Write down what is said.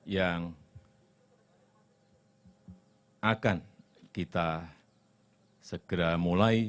yang akan kita segera mulai